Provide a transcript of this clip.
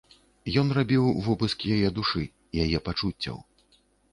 Ён рабіў вобыск яе душы, яе пачуццяў.